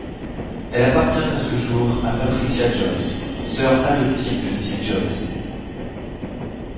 Elle appartient à ce jour à Patricia Jobs, sœur adoptive de Steve Jobs.